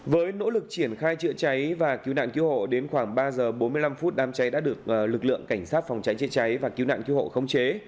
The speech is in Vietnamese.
với nỗ lực triển khai chữa cháy và cứu nạn cứu hộ đến khoảng ba giờ bốn mươi năm phút đám cháy đã được lực lượng cảnh sát phòng cháy chữa cháy và cứu nạn cứu hộ khống chế